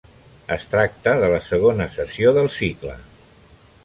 Es tracta de la segona sessió del cicle.